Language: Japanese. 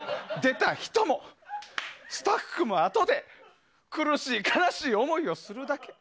やったとて、出た人もスタッフもあとで苦しい、悲しい思いをするだけ。